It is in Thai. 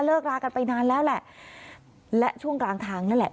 รากันไปนานแล้วแหละและช่วงกลางทางนั่นแหละ